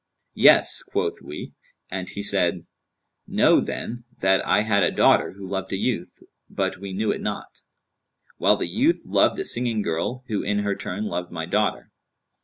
'Yes,' quoth we; and he said, 'Know, then, that I had a daughter, who loved a youth, but we knew it not; while the youth loved a singing girl, who in her turn loved my daughter.